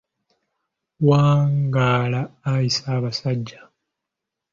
Wangaala ayi Ssaabaasajja